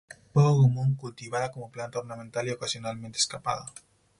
Poco común, cultivada como planta ornamental y ocasionalmente escapada.